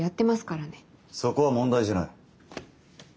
そこは問題じゃない。